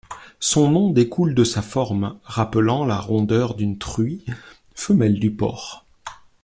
Son nom découle de sa forme rappelant la rondeur d'une truie, femelle du porc.